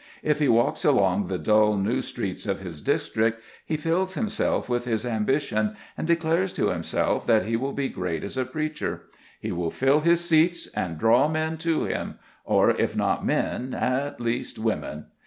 As he walks along the dull new streets of his district he fills himself with this ambition, and declares to himself that he will be great as a preacher. He will fill his seats, and draw men to him, or, if not men, at least women.